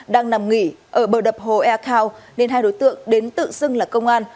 đang nằm nghỉ ở bờ đập hồ ecua nên hai đối tượng đến tự xưng là công an